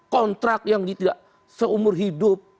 kontrak yang tidak seumur hidup